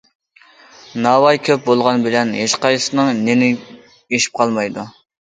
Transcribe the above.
ناۋاي كۆپ بولغان بىلەن ھېچقايسىسىنىڭ نېنى ئېشىپ قالمايدۇ.